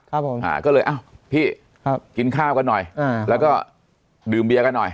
ครับผมก็เลยพี่กินข้าวกันหน่อยแล้วก็ดื่มเบียกันหน่อย